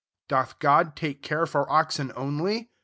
Doth God take care for oxen only